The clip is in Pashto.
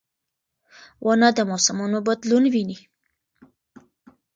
ونه د موسمونو بدلون ویني.